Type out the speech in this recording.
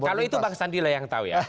kalau itu bang sandi lah yang tahu ya